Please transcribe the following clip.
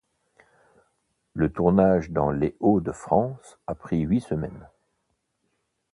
Le tournage dans les Hauts-de-France a pris huit semaines.